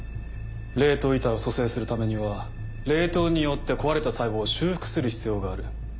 冷凍遺体を蘇生するためには冷凍によって壊れた細胞を修復する必要がある。